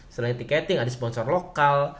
selain tiketing ada sponsor lokal